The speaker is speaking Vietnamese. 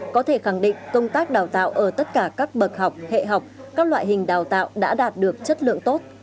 có thể khẳng định công tác đào tạo ở tất cả các bậc học hệ học các loại hình đào tạo đã đạt được chất lượng tốt